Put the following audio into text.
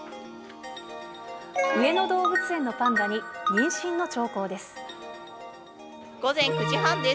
上野動物園のパンダに、午前９時半です。